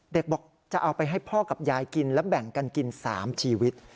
เด็กบอกจะเอาไปให้พ่อกับยายกินและแบ่งกันกิน๓ชีวิต